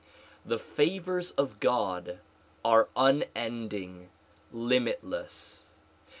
The favors of God are unending, limitless.